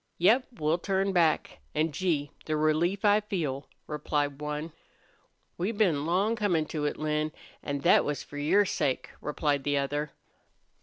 "Yep, we'll turn back. An', Gee! the relief I feel!" replied one. "We've been long comin' to it, Lin, an' thet was for your sake," replied the other.